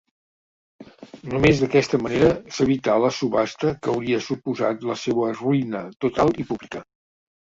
Només d'aquesta manera s'evità la subhasta que hauria suposat la seua ruïna total i pública.